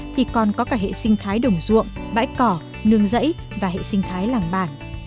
thì còn có cả hệ sinh thái đồng ruộng bãi cỏ nương dẫy và hệ sinh thái làng bản